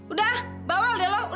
udah bawel deh lu